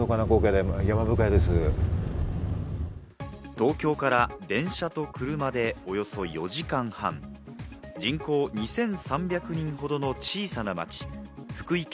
東京から電車と車でおよそ４時間半、人口２３００人ほどの小さな町、福井県